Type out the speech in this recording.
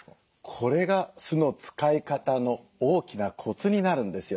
これが酢の使い方の大きなコツになるんですよ。